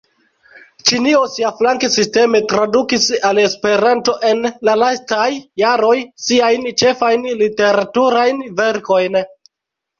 Ĉinio siaflanke sisteme tradukis al Esperanto, en la lastaj jaroj, siajn ĉefajn literaturajn verkojn.